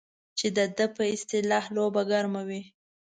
چې د ده په اصطلاح لوبه ګرمه وي.